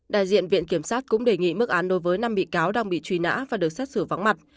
đại diện viện kiểm sát cũng đề nghị mức án đối với năm bị cáo đang bị truy nã và được xét xử vắng mặt